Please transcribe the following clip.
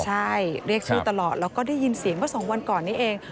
ใช่เรียกชื่อตลอดแล้วก็ได้ยินเสียงเมื่อสองวันก่อนนี้เอง